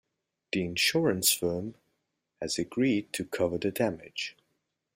The insurance firm has agreed to cover the damage.